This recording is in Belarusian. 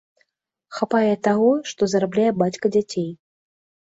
Хапае таго, што зарабляе бацька дзяцей.